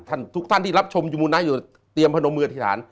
ทุกท่านที่รับชมจุมูลนะอยู่เตรียมพนมอธิษฐาน